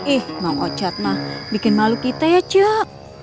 ih mak ocad mah bikin malu kita ya cek